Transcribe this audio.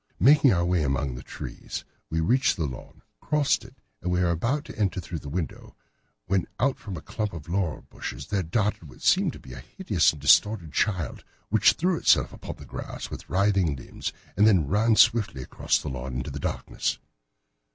Making our way among the trees, we reached the lawn, crossed it, and were about to enter through the window when out from a clump of laurel bushes there darted what seemed to be a hideous and distorted child, who threw itself upon the grass with writhing limbs and then ran swiftly across the lawn into the darkness.